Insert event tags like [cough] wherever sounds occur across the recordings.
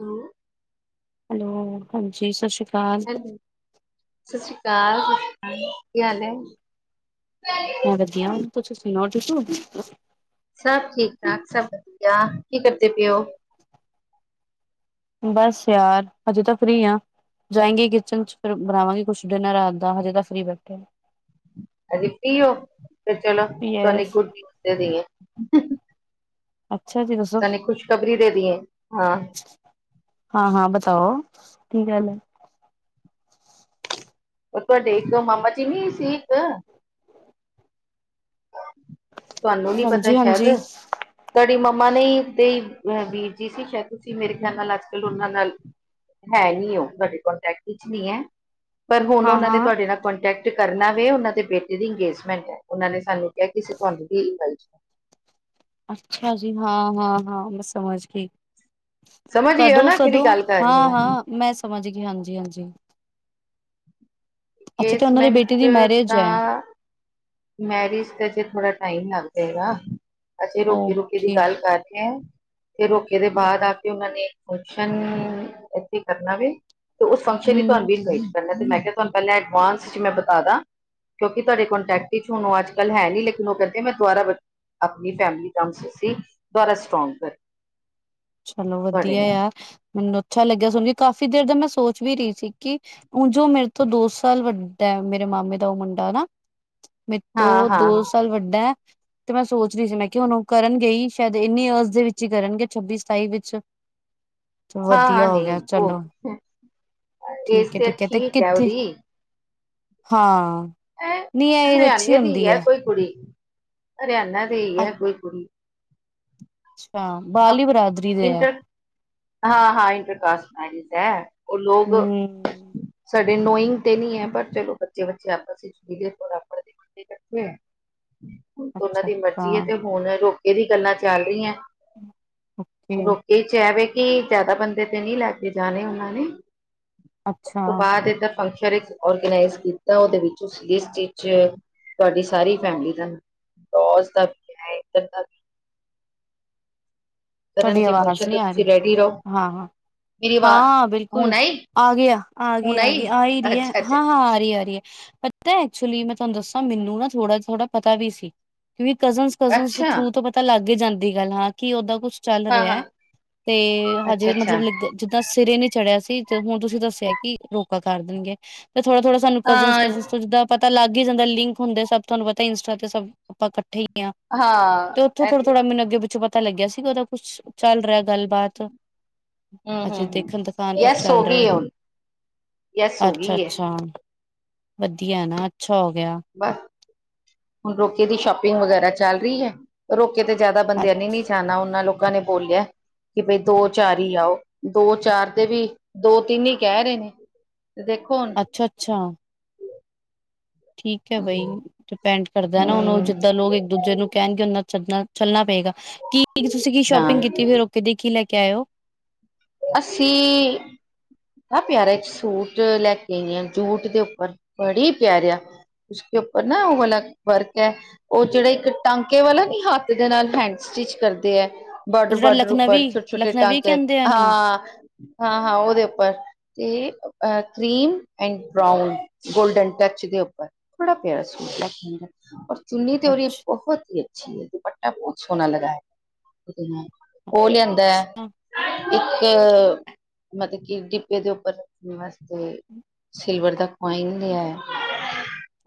ਹੁ ਹੈਲੋ ਹਾਂਜੀ ਸਤਿ ਸ੍ਰੀ ਕਾਲ ਕਾਲ ਕੀ ਹਾਲ ਏ ਮੈਂ ਵਧੀਆ ਨੂੰ ਤੁਸੀ ਸੁਨਾਓ ਠੀਕ ਹੋ ਸਭ ਠੀਕ ਸਭ ਵਧੀਆ ਕੀ ਕਰਦੇ ਪਏ ੳ ਬਸ ਯਾਰ ਹਜੇ ਤਾਂ ਫ੍ਰਰੀ ਆ ਜਾਏਗੇ ਕਿਚਨ ਚ ਫਿਰ ਬਨਾਵਾਂਗੇ ਕੁਸ਼ ਡਿਨਰ ਰਾਤ ਦਾ ਹਜੇ ਤਾਂ ਫਰੀ ਬੈਠੇ ਅਜੇ ਫ੍ਈ ਉਹ ਤੇ ਚਲੋ ਤੁਹਾਨੂੰ ਇੱਕ ਯਸ ਗੁੱਡ ਨਿਊਜ਼ ਦੇ ਦੇਈਏ ਅੱਛਾ ਜੀ ਦੱਸੋ ਦੇ ਦੀਏ। ਹਾਂ, ਹਾਂ ਹਾਂ ਬਤਾਓ ਕੀ ਗੱਲ ਏ ਉਹ ਤੁਹਾਡੇ ਇੱਕ ਮਾਮਾ ਜੀ ਨੀ ਸੀ ਇੱਕ ਤੁਹਾਨੂੰ ਨੀ ਪਤਾ ਹਾਂਜੀ ਸ਼ਾਇਦ ਹਾਂਜੀ ਤੁਹਾਡੀ ਮੰ ਮ ਨਈ ਤੇ ਵੀਰ ਜੀ ਸੀ ਸ਼ਾਇਦ ਤੁਸੀਂ ਮੇਰੇ ਖਿਆਲ ਨਾਲ ਅੱਜ ਕੱਲ ਉਹਨਾਂ ਨਾਲ ਹੈ ਨੀ ਉਹ ਤੁਹਾਡੇ ਕੋਂਟੈਕਟ ਵਿੱਚ ਨਹੀ ਏ ਪਰ ਹੁਨ ਹਾਂ ਉਹਨਾਂ ਨੇ ਹਾਂ ਤੁਹਾਡੇ ਨਾਲ ਕੋਂਟੈਕਟ ਕਰਨਾ ਵੇ ਉਹਨਾਂ ਦੇ ਬੇਟੇ ਦੀ ਅੰਗੇਜਮੈਂਟ ਏ ਉਹਨਾਂ ਨੇ ਸਾਨੂੰ ਕਿਹਾ ਕਿ ਅਸੀਂ ਤੁਹਾਨੂੰ ਵੀ ਇਨਵਾਇਟ [inaudible] [inaudible] ਅੱਛਾ ਜੀ ਹਾਂ ਹਾਂ ਹਾਂ ਮੈਂ ਸਮਝ ਗਈ। ਸਮਝ ਗਏ ਹੋ ਕਦੋਂ ਨਾ ਕਿਹੜੀ ਕਦੋਂ ਗੱਲ ਕਰ ਹਾਂ ਰਹੀ ਹਾਂ ਮੈਂ ਸਮਝ ਗਈ ਹਾਂਜੀ ਹਾਂਜੀ। ਅੱਛਾ ਤੇ ਉਹਨਾਂ ਦੀ ਬੇਟੀ ਬੇਸਮੈਂਟ ਦੀ ਮੈਰਿਜ ਹੈ ਤਾਂ ਮੈਰਿਜ ਤੇ ਤੇ ਬੜਾ ਟਾਈਮ ਲੱਗ ਜਾਏਗਾ। ਹਜੇ ਰੋਕੇ ਰੁਕੇ ਦੀ ਓਕੇ ਗੱਲ ਕਰਕੇ ਤੇ ਰੋਕ ਇਹਦੇ ਬਾਅਦ ਆ ਕੇ ਓਹਨਾਂ ਨੇ ਇਕ ਫੰਕਸ਼ਨ ਏਥੇ ਕਰਨਾ ਵੇ। ਤੇ ਉਸ ਫੰਕਸ਼ਨ ਚ ਹਮ ਤੁਹਾਨੂੰ ਵੀ ਇਨਵਾਈਟ ਕਰਨਾ। ਮੈਂ ਕਿਆ ਤੁਹਾਨੂੰ ਪਹਿਲਾਂ ਐਡਵਾਂਸ ਚ ਮੈਂ ਬਤਾ ਦਾਂ ਕਿਉਕੀ ਤੁਹਾਡੇ ਕੋਂਟੈਕਟ ਇਚ ਹੁਨ ਔ ਅੱਜ-ਕੱਲ ਹੈ ਈ ਨਈ ਲੇਕਿਨ ਓਹ ਪਤਾ ਮੈਂ ਦੁਆਰਾ ਅਪਨੀ ਫੈਮਲੀ ਫੰਕਸ਼ਨ ਸੀ ਦੁਬਾਰਾ ਸਟ੍ਰੌਂਗ ਕਰ ਚਲੋ ਤੁਹਾਡੇ ਵਧੀਆ ਨਾਲ ਯਾਰ ਮ ਅੱਛਾ ਲੱਗਿਆ ਸੁਨ ਕੇ ਕਾਫ਼ੀ ਦੇਰ ਦਾ ਮੈਂ ਸੋਚ ਵੀ ਰੀ ਸੀ ਕੀ ਹੁਨ ਜੋ ਮੇਰੇ ਤੋਂ ਦੋ ਸਾਲ ਵੱਡਾ ਮੇਰੇ ਮਾਮੇ ਦਾ ਮੁੰਡਾ ਨਾ ਮੇਰੇ ਹਾਂ ਤੋਂ ਹਾਂ ਦੋ ਹਾਂ ਸਾਲ ਵੱਡਾ ਐ। ਤੇ ਮੈਂ ਸੋਚਦੀ ਸੀ ਮੈਂ ਕਿਹਾ ਹੁਣ ਉਹ ਕਰਨ ਗੇ ਹੀ ਸ਼ਾਇਦ ਇੰਨੀ ਅਰਜ਼ ਦੇ ਵਿੱਚ ਹੀ ਕਰਨਗੇ ਛੱਬੀ ਸਤਾਈ ਵਿੱਚ ਹਾਂ ਹਾਂ ਵਧੀਆ ਹੋ ਨਹੀਂ ਗਿਆ ਉਹ ਚਲੋ। ਏਜ ਠੀਕ ਐ ਠੀਕ ਐ ਤੇ ਹੈ ਕਿੱਥੇ ਉਹਦੀ ਹਾਂ। ਐ ਨੀ ਇਹ ਏਜ ਅੱਛੀ ਹਰਿਆਣੇ ਹੁੰਦੀ ਐ। ਧਿਆਨਾ ਦੀ ਹੀ ਐ ਕੋਈ ਕੁੜੀ। ਅੱਛਾ ਬਾਹਲੀ ਬਰਾਦਰੀ ਦੇ ਹੈ ਇੰਟਰ ਹਾਂ-ਹਾਂ ਇੰਟਰ ਕਾਸਟ। [unintelligible] ਉਹ ਲੋਗ ਹਮ ਸਾਡੇ ਨੋਇੰਗ ਤੇ ਨੀ ਹੈ ਪਰ ਚਲੋ ਬੱਚੇ ਬੱਚੇ ਆਪਸ ਚ [unintelligible] ਓਹਨਾਂ ਅੱਛਾ ਦੀ ਅੱਛਾ ਮਰਜੀ ਏ ਤੇ ਹੁਣ ਰੋਕੇ ਦੀ ਗੱਲਾਂ ਚੱਲ ਰਹੀਆਂ। ਓਕੇ ਰੋਕੇ ਚ ਐ ਵੇ। ਕੀ ਜੈਦਾ ਬੰਦੇ ਤੇ ਨਈ ਲੈ ਕੇ ਜਾਨੇ ਓਹਨਾਂ ਨੇ? ਉਸ ਅੱਛਾ। ਤੋਂ ਬਾਅਦ ਇੱਧਰ ਫੰਕਸ਼ਨ ਚ ਓਰਗਨਾਈਜ ਕੀਤਾ ਓਹਦੇ ਵਿੱਚ ਓਸ ਲਿਸਟ ਚ ਤੁਹਾਡੀ ਸਾਰੀ ਫੈਮਿਲੀ ਦਾ [unintelligible] ਤੁਹਾਡੀ ਕਰਨਗੇ ਆਵਾਜ਼ ਫੰਕਸ਼ਨ ਤੇ ਨੀ ਆ ਰੀ ਤੁਸੀਂ ਰੈਡੀ ਰਹੋ ਹਾਂ ਹਾਂ। ਮੇਰੀ ਆਵਾਜ਼ ਹਾਂ ਹੁਣ ਬਿਲਕੁਲ ਆਈ ਆ ਗਿਆ ਆ ਹੁਣ ਗਿਆ ਆ ਆਈ ਗਈ ਆ ਈ ਰਈ ਏ ਅੱਛਾ ਅੱਛਾ ਹਾਂ ਹਾਂ ਆ ਰੀ ਆ ਰੀ ਏ। ਪਤਾ ਐਕਚੁਲੀ ਮੈਂ ਤੁਹਾਨੂੰ ਦੱਸਾਂ ਮੈਨੂੰ ਨਾ ਥੋੜਾ ਥੋੜਾ ਪਤਾ ਵੀ ਸੀ। ਕਿਉਕਿ ਕਜ਼ਨ-ਕਜ਼ਨ ਦੇ ਅੱਛਾ ਥਰੂ ਤੋਂ ਪਤਾ ਲੱਗ ਹੀ ਜਾਂਦੀ ਗੱਲ ਹਾਂ ਕੀ ਓਹਦਾ ਕੁਛ ਚੱਲ ਹਾਂ ਰਿਹਾ ਹਾਂ ਤੇ ਅੱਛਾ ਹਜੇ ਅੱਛਾ ਮਤਲਬ ਜਿੱਦਾਂ ਸਿਰੇ ਨੀ ਚੜਿਆ ਸੀ। ਹੁਣ ਤੁਸੀਂ ਦੱਸਿਆ ਕੀ ਰੋਕਾ ਕਰ ਦੇਣਗੇ ਤੇ ਥੋੜਾ-ਥੋੜਾ ਸਾਨੂੰ ਕਜ਼ਨ-ਕਜ਼ਨ ਅ ਤੋਂ ਜਿੱਦਾਂ ਪਤ ਪਤਾ ਲੱਗ ਹੀ ਜਾਂਦਾ ਲਿੰਕ ਹੁੰਦੇ ਸਭ ਤੁਹਾਨੂੰ ਪਤਾ ਇੰਸਟਾ ਤੇ ਸਭ ਆਪਾਂ ਕੱਠੇ ਹੀ ਤੇ ਓਥੋਂ ਹਾਂ ਥੋੜਾ-ਥੋੜਾ ਮੈਨੂੰ ਅੱਗੇ ਪਿੱਛੋਂ ਪਤਾ ਲੱਗਿਆ ਸੀਗਾ ਓਹਦਾ ਕੁੱਛ ਚੱਲ ਰਿਹਾ। ਗੱਲਬਾਤ ਹੂੰ ਹੂੰ ਅਜੇ ਹੂੰ ਦੇਖਣ ਦਿਖਾਣ ਕੁਛ ਯੈਸ ਹੋ ਚੱਲ ਗਈ ਰਿਹਾ? ਹੈ ਹੁਣ ਯੈਸ ਹੋ ਗਈ ਹੈ ਅੱਛਾ-ਅੱਛਾ ਵਧੀਆ ਨਾ ਅੱਛਾ ਹੋ ਗਿਆ। ਹੁਨ ਰੋਕੇ ਦੀ ਸ਼ੋਪਿੰਗ ਵਗੈਰਾ ਚੱਲ ਰਹੀ ਹੈ, ਰੋ ਕਿਤੇ ਜ਼ਿਆਦਾ ਬੰਦਿਆਂ ਨੇ ਨੀ ਜਾਨਾ ਓਹਨਾ ਲੋਕਾਂ ਨੇ ਬੋਲਿਆ। ਕੀ ਬਈ ਦੋ ਚਾਰ ਹੀ ਆਓ ਦੋ ਚਾਰ ਦੇ ਵੀ ਦੋ ਤਿੰਨ ਹੀ ਕਹਿ ਰਹੇ ਨੇ। ਤੇ ਦੇਖੋ ਹੁਣ ਅੱਛਾ-ਅੱਛਾ। ਠੀਕ ਹੈ ਬਈ ਹਮ ਡਿਪੈਂਡ ਕਰਦਾ ਨਾ ਹੁਣ ਓਹ ਹਮ ਜਿੱਦਾਂ ਲੋਗ ਇੱਕ ਦੂਜੇ ਨੂੰ ਕਹਿਨਗੇ ਓਹਨਾਂ ਚਲਨਾ ਚੱਲਨਾ ਪਏਗਾ, ਕੀ ਤੁਸੀਂ ਕੀ ਸ਼ੋਪਿੰਗ ਹਾਂ ਕੀਤੀ ਫਿਰ ਰੋਕੇ ਦੀ ਕੀ ਲੈ ਕੇ ਆਏ ਔ? ਅਸੀਂ। ਬੜਾ ਪਿਆਰਾ ਇੱਕ ਸੂਟ ਲੈ ਕੇ ਆਈ ਆ ਜੂਟ ਦੇ ਉੱਪਰ ਬੜੀ ਪਿਆਰਿਆ। ਉਸਕੇ ਉਪਰ ਨਾ ਉਹ ਵਾਲਾ ਵਰਕ ਹੈ ਉਹ ਜੇੜੇ ਇੱਕ ਟਾਂਕੇ ਵਾਲਾ ਨੀ ਹੱਥ ਦੇ ਨਾਲ ਹੇਂਡਸ ਸਟਿਚ ਕਰਦੇ ਐ ਉਹ ਜਿਹੜਾ ਬਾਰਡਰ-ਬਾਰਡਰ ਉਪਰ ਲਖਨਵੀ ਛੋਟੇ-ਛੋਟੇ ਲਖਨਵੀ ਟਾਂਕਯਾ ਕਹਿੰਦੇ ਆ ਇਹਨੂੰ ਹਾਂ-ਹਾਂ-ਹਾਂ ਉਹਦੇ ਉੱਪਰ ਤੇ cream and brown golden touch ਦੇ ਉੱਪਰ। ਬੜਾ ਪਿਆਰਾ ਸੂਟ ਲੇਕੇ ਆਈ ਆ ਔਰ ਚੁੰਨੀ ਤੇ ਔਰ ਇਹ ਅੱਛਾ ਬਹੁਤ ਹੀ ਅੱਛੀ ਹੈ ਦੁਪਟਾ ਬਹੁਤ ਸੋਣਾ ਲਗਾਇਆ। ਉਹ ਲਿਆਦਾ ਅੱਛਾ ਇੱਕ ਮਤਲਬ ਕਿ ਡਿੱਬੇ ਦੇ ਉੱਪਰ ਰੱਖਣ ਵਾਸਤੇ ਸਿਲਵਰ ਦਾ ਕੁਆਈਨ ਨੀ ਆਯਾ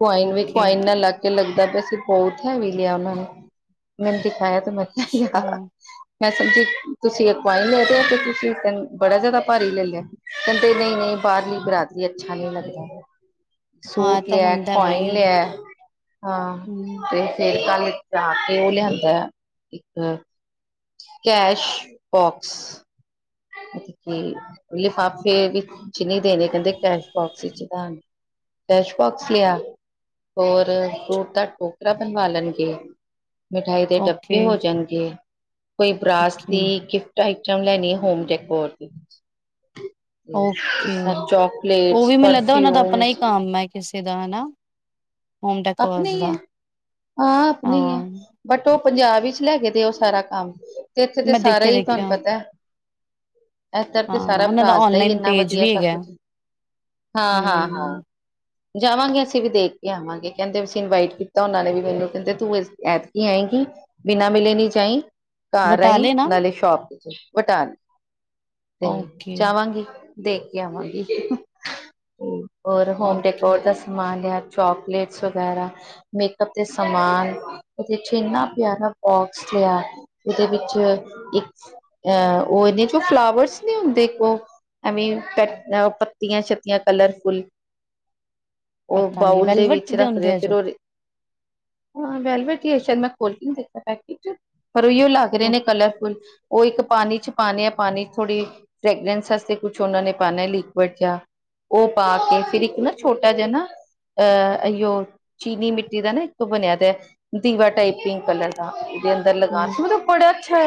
ਕੁਆਇਨ ਵੀ ਓਕੇ ਕੁਆਇਨ ਨਾਲ ਲੱਗ ਕੇ ਲੱਗ ਕਹਿੰਦੇ ਸੀ ਬਹੁ [unintelligible] ਲਿਆ ਮੈਨੂੰ-ਮੈਨੂੰ ਦਿਖਾਇਆ ਤੇ ਮੈਂ ਅੱਛਾ ਕਿਹਾ ਮੈਂ ਸਮਝੀ ਤੁਸੀਂ [unintelligible] ਲੈ ਹੋ। ਤੁਸੀਂਕਣ ਬੜਾ ਜਿਆਦਾ ਭਾਰੀ ਲੈ ਲਿਆ, ਕਹਿੰਦੇ ਨਹੀਂ-ਨਹੀਂ ਬਾਹਰਲੀ ਬਰਾਦਰੀ ਅੱਛਾ ਨਹੀਂ ਲੱਗਦਾ। ਹਾਂ ਇਹ ਸੂਟ ਤਾਂ ਲਿਆ ਹੁੰਦਾ ਕੋਇਨ ਬਈ ਲਿਆ। ਹਾਂ ਹੂੰ ਤੇ ਫੇਰ ਕੱਲ ਜਾ ਕੇ ਉਹ ਲਿਆਂਦਾ, ਇੱਕ ਕੈਸ਼ ਬੋਕਸ [unintelligible] ਕੀ ਲਿਫਾਫੇ ਵਿੱਚ ਨਹੀਂ ਦੇਨੇ ਪੈਂਦੇ ਕੈਸ਼ਬੋਕਸ ਵਿਚ ਦਾ [unintelligible] ਡੈਸ਼ਬੋਕਸ ਲਿਆ। ਹੋਰ ਫਰੂਟ ਦਾ ਟੋਕਰਾ ਬਣਵਾ ਲੈਨਗੇ। ਮਿਠਾਈ ਦੇ ਓਕੇ ਡੱਬੇ ਹੋ ਜਨਗੇ। ਕੋਈ ਬਰਾਜ ਓਕੇ ਦੀ ਗਿਫਟ ਆਈਟਮ ਲੈਨੀ ਹੋਮ ਡੈਕੋਰ ਦੀ। ਓਕੇ ਤੇ ਉਹ ਚੋਕਲੇਟਸ ਵੀ ਮੈਨੂੰ ਲੱਗਦਾ ਉਹਨਾਂ ਦਾ ਆਪਣਾ ਹੀ ਪਰਫਿਊਮਸ। ਕੰਮ ਹੈ ਕਿਸੇ ਦਾ ਹਨਾ ਹੋਮ ਆਪਨੇ ਡੈਕੋਰਸ ਈ ਐ, ਦਾ ਹਾਂ ਅਪਨੇ ਈ ਐ, ਹਾਂ ਬਟ ਓਹ ਪੰਜਾਬ ਵਿੱਚ ਲੈ ਕੇ ਦੇ ਉਹ ਸਾਰਾ ਕੰਮ ਤੇ ਇੱਥੇ ਤੇ ਮੈਂ ਸਾਰਾ ਹੀ ਤੁਹਾਨੂੰ ਦੇਖਿਆ-ਦੇਖਿਆ ਪਤਾ ਹੈ। ਏਧਰ ਤੇ ਹਾਂ ਸਾਰਾ ਉਹਨਾਂ ਬਰਾਸ ਦਾ ਹੀ ਔਨਲਾਈਨ ਏਨਾ ਪੇਜ ਵਧੀਆ ਵੀ ਸਭ ਹੈਗਾ ਕੁਛ। ਹੂੰ। ਹਾਂ-ਹਾਂ-ਹਾਂ ਜਾਵਾਂਗੇ ਅਸੀਂ ਵੀ ਦੇਖ ਕੇ ਆਵਾਂਗੇ। ਕਹਿੰਦੇ ਪੇ ਸੀਂ ਇਨਵਾਈਟ ਕੀਤਾ ਉਹਨਾਂ ਨੇ ਵੀ ਮੈਨੂੰ ਕਹਿੰਦੇ ਤੂੰ ਐਤ ਕੀ ਆਏਂਗੀ ਬਿਨਾਂ ਮਿਲੇ ਨੀ ਜਾਈ। ਘਰ ਆਈ ਬਟਾਲੇ ਨਾ ਨਾਲੇ ਸ਼ੋਪ ਵਿੱਚ ਵਟਾਨ ਤੇ ਓਕੇ-ਓਕੇ ਚਾਹਵਾਂਗੀ। ਦੇਖ ਕੇ ਆਵਾਂਗੀ ਹੋਰ ਹੋਮ ਡੈਕੋਰੇ ਦਾ ਸਮਾਨ ਲਿਆ ਚੋਕਲੇਟ ਵਗੈਰਾ ਮੇਕਅਪ ਦੇ ਸਮਾਨ ਇੰਨਾ ਪਿਆਰਾ ਬੋਕਸ ਲਿਆ। ਉਹਦੇ ਵਿੱਚ ਇੱਕ ਅਹ ਉਹ ਇਹਨੇ ਜੋ ਫਲਾਵਰਸ ਨੇ ਹੁੰਦੇ ਇੱਕ ਉਹ ਆਈ ਮੀਨ ਪ ਪੱਤੀਆਂ-ਸ਼ਤੀਆਂ ਕਲਰਫੁਲ ਉਹ ਪਤਾ ਨੀ ਬਾਊਲ ਦੇ ਵੈਲਵਟ ਵਿੱਚ ਰੱਖਦੇ ਆ ਹੁੰਦੇ ਫਿਰ ਜੋ ਉਹ ਹਾਂ ਵੈਲਵਟ ਸ਼ ਮੈਂ ਖੋਲ ਕੇ ਨਹੀਂ ਵੇਖਿਆ ਪੈਕੇਟ। ਪਰ ਉਈਓ ਲਗ ਰਹੇ ਹੂੰ ਨੇ ਕਲਰਫੁਲ ਉਹ ਇੱਕ ਪਾਨੀ ਚ ਪਾਨੇ ਆ ਪਾਣੀ ਥੋੜ੍ਹੀ ਫਰੈਗਰੈਂਸ ਵਾਸਤੇ ਕੁਛ ਉਹਨਾਂ ਨੇ ਪਾਨੇ ਲੀਕੁਡ ਜਾਂ। ਉਹ ਪਾ ਕੇ ਫਿਰ ਇੱਕ ਨਾ ਛੋਟਾ ਜਿਹਾ ਨਾ ਅਹ ਅਈਓ ਚੀਨੀ ਮਿੱਟੀ ਦਾ ਨਾ ਇੱਕ ਬਨਿਆ ਦਆ ਦੀਵਾ ਟਾਈਪ ਪਿੰਕ ਕਲਰ ਦਾ। ਵੇ ਅੰਦਰ ਲਗਾਨ ਮਤਲਬ ਬੜਾ ਅੱਛਾ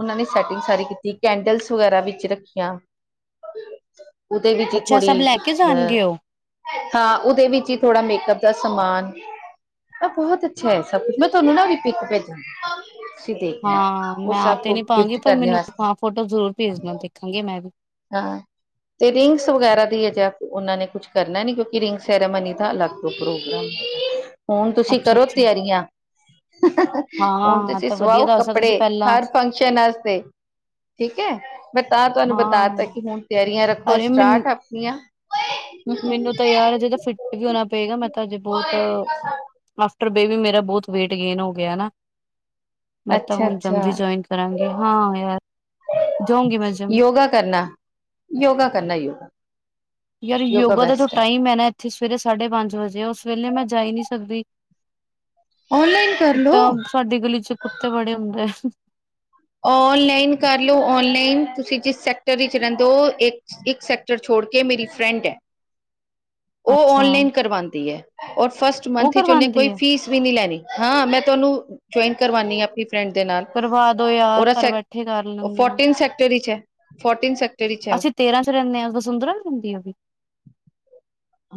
ਉਹਨਾਂ ਨੇ ਸੈਟਿੰਗ ਸਾਰੀ ਕੀਤੀ ਕੈਂਡਲਸ ਵਗੈਰਾ ਵਿੱਚ ਰੱਖੀਆਂ। ਉਹਦੇ ਵਿੱਚ ਹੀ ਅੱਛਾ ਸਭ ਥੋੜ੍ਹੀ ਲੈ ਕੇ ਅਹ ਜਾਣਗੇ ਉਹ ਹਾਂ ਉਹਦੇ ਵਿੱਚ ਹੀ ਥੋੜ੍ਹਾ ਮੇਕਅਪ ਦਾ ਸਮਾਨ ਆ ਬਹੁਤ ਅੱਛਾ ਹੈ ਸਭ ਕੁਛ ਮੈਂ ਤੁਹਾਨੂੰ ਨਾ ਉਦੀ ਪਿਕ ਭੇਜਾਂਗੀ। ਤੁਸੀਂ ਦੇਖਨਾ ਹਾਂ ਉਹ ਮੈਂ ਆ ਸਭ ਤੇ ਕੋ ਨੀ ਪਾਂਗੀ ਗਿਫਟ ਪਰ ਕਰਨੇ ਮੈਨੂੰ ਵਾਸਤੇ। ਹਾਂ ਫੋਟੋ ਜ਼ਰੂਰ ਭੇਜਣਾ ਦੇਖਾਂਗੇ ਮੈਂ ਵੀ ਹਾਂ ਤੇ ਰਿੰਗਸ ਵਗੈਰਾ ਦੀ ਅਜਿਹਾ ਉਹਨਾਂ ਨੇ ਕੁਛ ਕਰਨਾ ਨੀ ਕਿਉਂਕਿ ਰਿੰਗ ਸੈਰਾਮਨੀ ਦਾ ਅਲੱਗ ਤੋਂ ਏ ਪ੍ਰੋਗਰਾਮ। ਹੁਣ ਤੁਸੀਂ ਕਰੋ ਅੱਛਾ-ਅੱਛਾ ਤਿਆਰੀਆਂ। ਹੁਣ ਹਾਂ ਤੁਸੀਂ ਤਾਂ ਵਧੀਆ ਸਵਾਓ ਦੱਸਤਾ ਤੁਸੀਂ ਕੱਪੜੇ ਪਹਿਲਾਂ ਹਰ ਫੰਕਸ਼ਨ ਆਸਤੇ। ਠੀਕ ਹੈ ਮੈਂ ਤਾਂ ਤੁਹਾਨੂੰ ਬਤਾ ਤਾ ਕਿ ਹਾਂ ਹੁਣ ਤਿਆਰੀਆਂ ਰੱਖੋ ਅਰੇ ਮੈਨੂੰ ਸਟਾਰਟ ਅਪਨੀਆਂ। ਮੈਨੂੰ ਤਾਂ ਯਾਰ ਅਜੇ ਤਾਂ ਫਿੱਟ ਵੀ ਹੋਨਾ ਪਏਗਾ ਮੈਂ ਤਾਂ ਅਜੇ ਬਹੁਤ ਆਫ਼੍ਟਰ ਬੇਬੀ ਮੇਰਾ ਬਹੁਤ ਵੇਟ ਗੇਨ ਹੋ ਗਿਆ ਨਾ। ਮੈਂ ਤਾਂ ਅੱਛਾ ਹੁਨ ਜਮਜੀ ਅੱਛਾ ਜੁਆਇਨ ਕਰਾਂਗੀ, ਹਾਂ ਯਾਰ। ਜਾਊਂਗੀ ਮੈਂ ਜਿਮ ਯੋਗਾ ਕਰਨਾ, ਯੋਗਾ ਕਰਨਾ ਯੋਗਾ। ਯਾਰ ਯੋਗਾ ਦਾ ਜੋ ਟਾਈਮ ਹੈ ਨਾ ਇੱਥੇ ਸਵੇਰੇ ਸਾਢੇ ਪੰਜ ਵਜੇ ਉਸ ਵੇਲੇ ਮੈਂ ਜਾ ਹੀ ਨਹੀਂ ਸਕਦੀ। ਔਨਲਾਈਨ ਕਰ ਇੱਕ ਤਾਂ ਲੋ ਸਾਡੀ ਗਲੀ ਚ ਕੁੱਤੇ ਬੜੇ ਹੁੰਦੇ। ਔਨਲਾਈਨ ਕਰਲਓ, ਔਨਲਾਈਨ ਤੁਸੀਂ ਜਿਸ ਸੈਕਟਰ ਚ ਰਹਿੰਦੇ ਹੋ ਇੱਕ ਸੈਕਟਰ ਛੋ ਮੁੜ ਕੇ ਮੇਰੀ ਫਰੈਂਡ ਹੈ। ਉਹ ਅੱਛਾ ਔਨਲਾਈਨ ਕਰਵਾਂਦੀ ਹੈ, ਔਰ ਫਸਟ ਉਹ ਮੰਥ ਇਚ ਉਹਨੇ ਕਰਵਾਉਂਦੀ ਕੋਈ ਹੈ। ਫੀਸ ਵੀ ਨਹੀਂ ਲੈਨੀ। ਹਾਂ! ਮੈਂ ਤੁਹਾਨੂੰ ਜੁਆਇਨ ਕਰਵਾਨੀ ਹਾ, ਅਪਨੀ ਕਰਵਾ ਦੋ ਯਾਰ! ਘਰ ਸੈਕ ਬੈਠੇ ਕਰ ਲੈਂਦੀ ਆ ਫੋਰਟੀਨ ਸੈਕਟਰ ਚ ਹੈ, ਫੋਰਟੀਨ ਸਕੈਟ ਅਸੀਂ ਤੇਰਾਂ ਚ ਰਹਿੰਨੇ ਆ, ਵ ਸੁੰਦਰਾਂ [unintelligible] ਦੀਆਂ ਵੀ।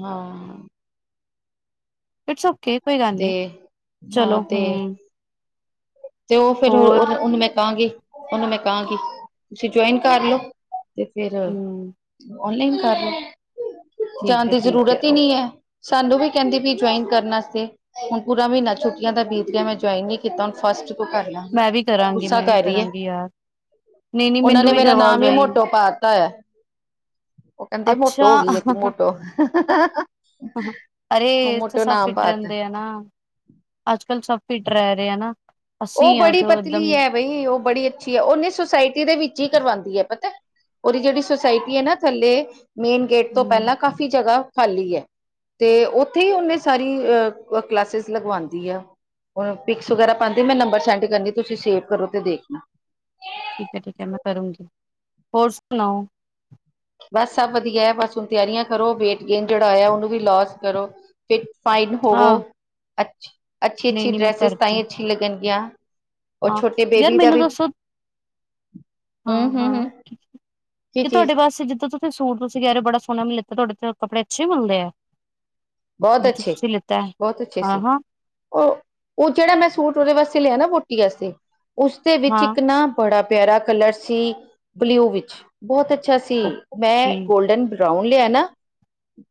ਹਾਂ ਇਟਸ ਓਕੇ, ਕੋਈ ਗੱਲ ਤੇ ਨੀ। ਹਾਂ ਚਲੋ ਤੇ ਹਮ! ਤੇ ਉਹ ਫੇਰ ਉਹਨੂੰ ਮੈਂ ਕਹਾਂਗੀ, ਉਹਨੂੰ ਮੈਂ ਕਹਾਂਗੀ ਤੁਸੀਂ ਜੁਆਇਨ ਕਰ ਲਓ। ਤੇ ਫੇਰ ਹੂੰ ਓਨਲਾਈਨ ਕਰ ਲੇ ਠੀਕ ਜਾਣ ਹੈ ਦੀ ਠੀਕ ਜ਼ਰੂਰਤ ਹੀ ਉਹ ਨਹੀਂ ਹੈ। ਸਾਨੂੰ ਵੀ ਕਹਿੰਦੀ ਵੀ ਜੁਆਇਨ ਕਰਨ ਵਾਸਤੇ ਹੁਣ ਪੂਰਾ ਮਹੀਨਾ ਛੁੱਟੀਆਂ ਤਾਂ ਬੀਤ ਗਿਆ, ਮੈਂ ਜੁਆਇਨ ਨੀ ਕੀਤਾ ਹੁਣ ਫਸਟ ਕਰ ਮੈਂ ਲੈਂਗੇ, ਵੀ ਕਰਾਂਗੀ ਗੁੱਸਾ ਮੈਂ ਵੀ ਕਰ ਰਹੀ ਹੈ। ਕਰਾਂਗੀ ਯਾਰ ਨਹੀਂ ਨਹੀਂ ਉਹਨਾਂ ਮੈਨੂੰ ਨੇ ਵੀ ਮੇਰਾ ਕਰਵਾਓ ਨਾਮ ਹੀ ਜੁਆਇਨ ਮੋਟੋ ਪਾ ਦਿੱਤਾ ਹੈ। ਉਹ ਕਹਿੰਦੇ, ਮੋਟੋ ਅੱਛਾ ਹੋ ਗਈ ਹੈ ਤੂੰ ਮੋਟੋ। ਅਰੇ, ਉਹ ਇਥੇ ਮੋਟੋ ਸਭ ਨਾਮ ਫਿਟ ਪਾਤਾ ਰਹਿੰਦੇ ਆ ਨਾ, ਅੱਜ ਕੱਲ ਸਭ ਫਿੱਟ, ਰਹਿ ਰਹੇ ਹੈ ਨਾ। ਉਹ ਬੜੀ ਪਤਲੀ ਹੈ, ਬਈ ਉਹ ਬੜੀ ਅੱਛੀ ਹੈ। ਉਹਨੇ ਸੁਸਾਇਟੀ ਦੇ ਵਿੱਚ ਹੀ ਕਰਵਾਉਂਦੀ ਹੈ। ਪਤਾ। ਉਹਦੀ ਜਿਹੜੀ ਸੁਸਾਇਟੀ ਹੈ ਨਾ ਥੱਲੇ, ਮੇਨ ਗੇਟ ਤੋਂ ਪਹਿਲਾਂ ਕਾਫ਼ੀ ਜਗ੍ਹਾ ਖਾਲੀ ਹੈ। ਤੇ ਉੱਥੇ ਹੀ, ਉਹਨੇ ਸਾਰੀ ਅਹ ਕਲਾਸਿਸ ਲਗਵਾਉਂਦੀ ਆ। ਹੁਣ ਪਿਕਸ ਵਗੈਰਾ ਪਾ ਮੈਂ ਨੰਬਰ ਸੈਂਡ ਕਰਨੀ, ਤੁਸੀਂ ਸੇਵ ਕਰੋ ਤੇ ਦੇਖਣਾ। ਠੀਕ ਹੈ, ਠੀਕ ਹੈ ਮੈਂ ਕਰੂੰਗੀ। ਹੋਰ ਸੁਣਾਓ? ਬਸ ਸਭ ਵਧੀਆ, ਬਸ ਹੁਣ ਤਿਆਰੀਆਂ ਕਰੋ, ਵੇਟ ਗੇਨ ਜਿਹੜਾ ਹੋਇਆ ਉਹਨੂੰ ਵੀ ਲੋਸ ਕਰੋ ਫਿਰ ਫਾਈਨ ਹੋਵੋ। ਹਾਂ ਅ ਅੱਛੀ ਨਹੀਂ -ਅੱਛੀ ਨਹੀਂ ਮੈਂ ਡਰੈਸਿਸ ਤਾਂ ਕਰਤੀ ਹੀ ਅੱਛੀ ਲਗਣਗੀਆਂ। ਔਰ ਹਾਂ ਛੋਟੇ ਯਾਰ ਬੇਬੀ ਦਾ ਮੈਨੂੰ ਵੀ ਦੱਸੋ ਹਮ ਹਾਂ- ਹਮ ਹਮ ਹਾਂ, ਕੀ ਕਿ ਚੀਜ਼ ਤੁਹਾਡੇ ਵਾਸਤੇ ਜਿੱਦਾਂ ਸੂਟ ਤੁਸੀਂ ਕਹਿ ਰਹੇ ਹੋ ਬੜਾ ਸੋਹਨਾ ਮੈਂ ਲਿੱਤਾ ਤੁਹਾਡੇ ਤੇ ਕੱਪੜੇ ਅੱਛੇ ਮਿਲਦੇ ਆ? ਬਹੁਤ ਜਿੱਥੋਂ ਅੱਛੇ ਤੁਸੀਂ ਲਿੱਤਾ ਹੈ ਬਹੁਤ ਅੱਛੇ ਹਾਂ ਸੀ। ਹਾਂ ਉਹ ਉਹ ਜਿਹੜਾ ਮੈਂ ਸੂਟ ਉਹਦੇ ਵਾਸਤੇ ਲਿਆ, ਨਾ ਬੋਟ [unintelligible] ਉਸਦੇ ਵਿੱਚ ਹਾਂ ਇੱਕ ਨ ਬੜਾ ਪਿਆਰਾ ਕਲਰ ਸੀ ਬਲਿਊ ਵਿੱਚ, ਬਹੁਤ ਅੱਛਾ ਸੀ। ਮੈਂ ਓਕੇ ਗੋਲਡਨ ਬਰਾਊਨ ਲਿਆ ਨਾ,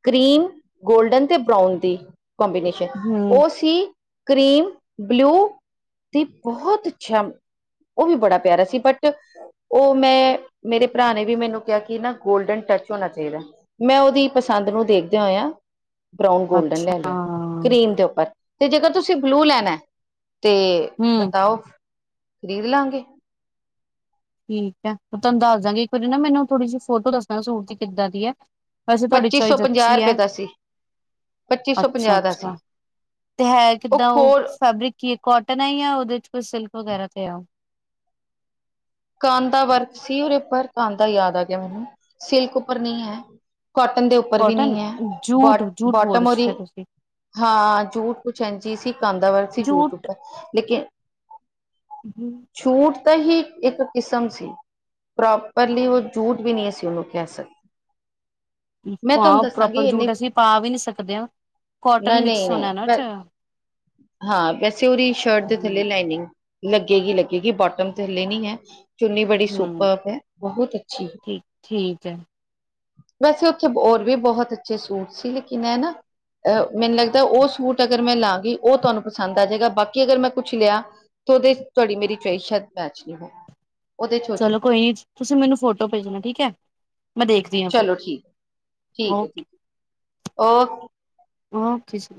ਗ੍ਰੀਨ ਗੋਲਡਨ ਤੇ ਬਰਾਾਊਨ ਦੀ ਕਬੀਨੇਸ਼ਨ, ਹੂੰ ਉਹ ਸੀ ਕਰੀਮ ਬਲਿਊ ਤੇ ਬਹੁਤ ਚਛਮ ਉਹ ਵੀ ਬੜਾ ਪਿਆਰਾ ਸੀ, ਬਟ ਉਹ ਮੈਂ ਮੇਰੇ ਭਰਾ ਨੇ ਵੀ ਮੈਨੂੰ ਕਿਹਾ ਕਿ ਨਾ ਗੋਲਡਨ ਟ ਹੋਣਾ ਚਾਹੀਦਾ, ਮੈਂ ਉਹਦੀ ਪਸੰਦ ਨੂੰ ਦੇਖਦੇ ਹੋਇਆ ਬਰਾਊਨ, ਗੋਲਡਨ ਲੈ ਅੱਛਾ ਲਿਆ। ਕਰੀਮ ਦੇ ਉੱਪਰ। ਤੇ ਜੇਕਰ ਤੁਸੀਂ, ਬਲੂ ਲੈਣਾ, ਤੇ ਹੂੰ ਬਤਾਓ ਖ਼ਰੀਦ ਲਾਂਗੇ। ਠੀਕ ਹੈ! ਤੁਹਾਨੂੰ ਦੱਸ ਦਾਂਗੇ ਇੱਕ ਵਾਰੀ ਨਾ ਮੈਨੂੰ, ਥੋੜੀ ਜਿਹੀ ਫੋਟੋ ਦੱਸਣਾ ਸੂਟ ਦੀ ਕਿੱਦਾਂ ਦੀ ਹੈ। ਵੈਸੇ ਤੁਹਾਡੀ ਪੱਚੀ ਸੌ ਚੋਇਸ ਪੰਜਾਹ ਅੱਛੀ ਰੁਪਏ ਹੈ ਦਾ ਸੀ, ਪੱਚੀ ਸੌ ਅੱਛਾ ਪੰਜਾਹ ਦਾ ਸੀ। ਅੱਛਾ ਤੇ ਹੈ ਕਿੱਦਾਂ ਉਹ ਫੈਬਰਿਕ ਕੀ ਹੈ, ਕੋਟਨ ਹੈ ਜਾਂ ਉਹਦੇ ਚ ਕੋਈ ਸਿਲਕ। ਵਗੈਰਾ ਤੇ ਆ ਕਾਂਧਾ ਵਰਕ ਸੀ, ਉਹਦੇ ਉੱਪਰ ਕਾਂਧਾ, ਯਾਦ ਆ ਗਿਆ ਮੈਨੂੰ, ਸਿਲਕ ਉੱਪਰ ਨਹੀਂ ਹੈ। ਕਾਟਨ ਦੇ ਉੱਪਰ ਵੀ ਕੋਟਨ ਨਹੀਂ ਹੈ। Jute but jute board bottom ਉਹਦੀ ਤੁਸੀਂ ਹਾਂ। ਜੂਟ ਕੁਛ ਇੰਝ ਹੀ ਸੀ, ਕਾਂਧਾ ਵਰਕ ਸੀ, ਜੂਟ ਉੱਪਰ ਲੇਕਿਨ ਹਮ। ਛੂਟ ਤਾਂ ਹੀ ਇੱਕ ਕਿਸਮ ਸੀ, ਪ੍ਰੋਪਰਲੀ ਉਹ ਜੂਟ ਵੀ ਨਹੀਂ ਸੀ। ਉਹਨੂੰ ਕਹਿ ਸਕਦੇ। ਮੈਂ ਤੁਹਾਨੂੰ ਹਾਂ! ਪ੍ਰੋਪਰ ਦੱਸਾਂਗੀ ਇੰਨੀ ਜੂਟ, ਅਸੀਂ ਪਾ ਵੀ ਨਹੀਂ ਸਕਦੇ ਹਾਂ। ਨਾ ਕੋਟਨ ਨਹੀਂ ਮਿਕਸ ਹੋਣਾ ਨਾ ਉਸ ਨਹੀਂ ਚ । ਹਾਂ। ਵੈਸੇ ਉਹਦੀ ਸ਼ਰਟ ਦੇ ਥੱਲੇ ਲਾਈਨਿੰਗ ਲੱਗੇਗੀ, ਲੱਗੇਗੀ ਬੋਟਮ ਤੇ ਹੱਲੇ ਨਹੀਂ ਹੈ। ਚੁੰਨੀ ਬੜੀ ਹਮ ਸੁਪਰਬ ਹੈ, ਬਹੁਤ ਅੱਛੀ ਹੈ। ਠੀਕ ਠੀਕ ਹੈ ਵੈਸੇ ਉੱਥੇ, ਹੋਰ ਵੀ ਬਹੁਤ ਅੱਛੇ ਸੂਟ ਸੀ। ਲੇਕਿਨ ਇਹ ਨਾ ਅਹ, ਮੈਨੂੰ ਲੱਗਦਾ ਉਹ ਸੂਟ ਅਗਰ ਮੈਂ ਲਾਂਗੀ ਉਹ ਤੁਹਾਨੂੰ ਪਸੰਦ ਆ ਜਾਏਗਾ, ਬਾਕੀ ਅਗਰ ਮੈਂ ਕੁਛ ਲਿਆ, ਤਾਂ ਉਹਦੇ ਤੁਹਾਡੀ ਮੇਰੀ ਚੋਇਸ ਸ਼ਾਇਦ ਮੈਚ ਨਹੀਂ ਹੋ ਉਹਦੇ ਚ ਹੋ ਜਾਏ ਚਲੋ ਕੋਈ ਨੀ, ਤੁਸੀਂ ਮੈਨੂੰ ਫੋਟੋ ਭੇਜਣਾ ਠੀਕ ਹੈ, ਮੈਂ ਦੇਖ ਚਲੋ ਠੀਕ ਹੈ, ਠੀਕ ਹੈ, ਠੀਕ ਓਕੇ, ਓਕੇ ਜੀ।